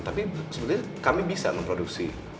tapi sebenarnya kami bisa memproduksi